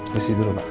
masih dulu pak